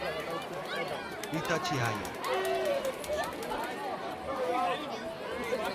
Itatiaia